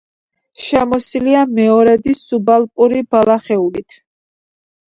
შემოსილია მეორადი სუბალპური ბალახეულით.